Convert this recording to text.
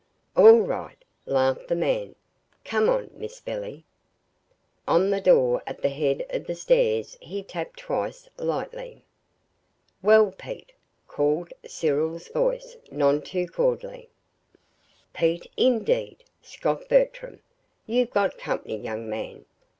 "All right," laughed the man. "Come on, Miss Billy." On the door at the head of the stairs he tapped twice, lightly. "Well, Pete," called Cyril's voice, none too cordially. "Pete, indeed!" scoffed Bertram. "You've got company, young man.